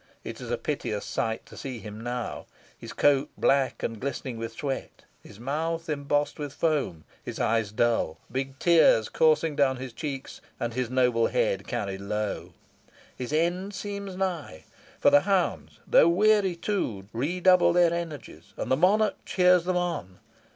It is a piteous sight to see him now; his coat black and glistening with sweat, his mouth embossed with foam, his eyes dull, big tears coursing down his cheeks, and his noble head carried low. His end seems nigh for the hounds, though weary too, redouble their energies, and the monarch cheers them on.